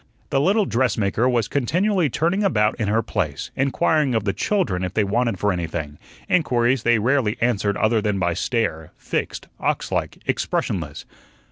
The little dressmaker was continually turning about in her place, inquiring of the children if they wanted for anything; inquiries they rarely answered other than by stare, fixed, ox like, expressionless.